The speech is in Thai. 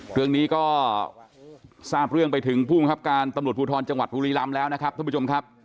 เรื่องนี้ก็ทราบเรื่องไปถึงผู้บังคับการตำรวจภูทรจังหวัดบุรีรำแล้วนะครับท่านผู้ชมครับ